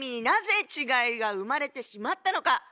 なぜ違いが生まれてしまったのか。